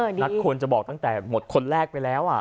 นัทควรจะบอกตั้งแต่หมดคนแรกไปแล้ว